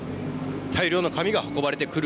大量の紙が運ばれてくる